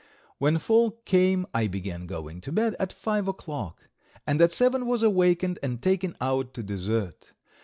When fall came I began going to bed at 5 o'clock, and at 7 was awakened and taken out to dessert.